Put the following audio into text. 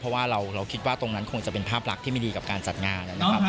เพราะว่าเราคิดว่าตรงนั้นคงจะเป็นภาพลักษณ์ที่ไม่ดีกับการจัดงานนะครับ